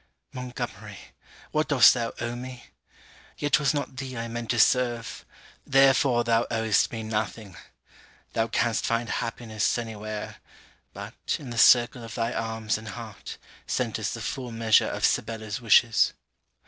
Montgomery, what dost thou owe me? Yet 'twas not thee I meant to serve; therefore thou owest me nothing. Thou canst find happiness any where: but, in the circle of thy arms and heart, centres the full measure of Sibella's wishes.